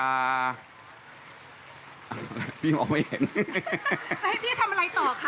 จะให้พี่ทำอะไรต่อคะ